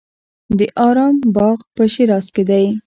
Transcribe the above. د ارم باغ په شیراز کې دی.